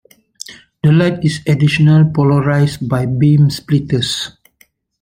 The light is additionally polarized by beam splitters.